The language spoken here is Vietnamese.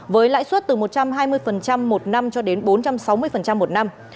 với lãi suất từ một trăm hai mươi một năm cho đến bốn trăm sáu mươi một năm